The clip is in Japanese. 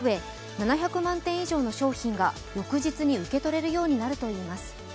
７００万点以上の商品が翌日に受け取れるようになるといいます。